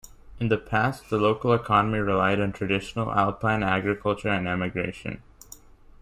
In the past, the local economy relied on traditional alpine agriculture and emigration.